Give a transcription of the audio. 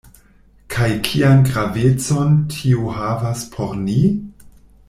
Kaj kian gravecon tio havas por ni?